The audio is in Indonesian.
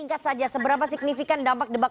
singkat saja seberapa signifikan dampak debat